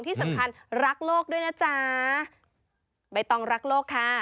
ที่สำคัญรักโลกด้วยนะจ๊ะใบตองรักโลกค่ะ